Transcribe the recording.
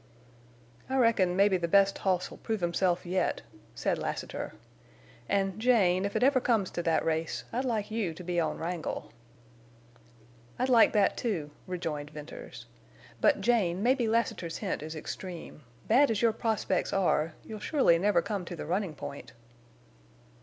"I reckon mebbe the best hoss'll prove himself yet," said Lassiter, "an', Jane, if it ever comes to that race I'd like you to be on Wrangle." "I'd like that, too," rejoined Venters. "But, Jane, maybe Lassiter's hint is extreme. Bad as your prospects are, you'll surely never come to the running point."